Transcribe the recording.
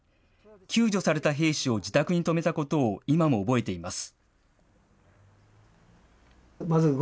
救助された兵士を自宅に泊めたことを、今も覚えています。